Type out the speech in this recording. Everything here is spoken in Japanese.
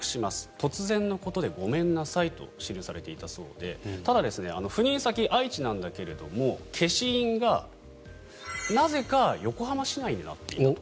突然のことでごめんなさいと記されていたそうでただ赴任先の愛知なんだけれども消印がなぜか横浜市内になっていたと。